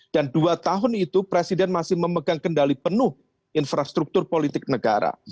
dan dua tahun itu presiden masih memegang kendali penuh infrastruktur politik negara